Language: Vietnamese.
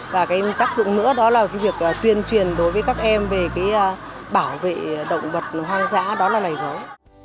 và tác dụng nữa đó là việc tuyên truyền đối với các em về bảo vệ động vật hoang dã đó là nầy gấu